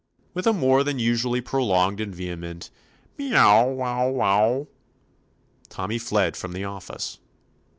With a more than usually prolonged and vehement "Merow wow wowl" Tommy fled from the office.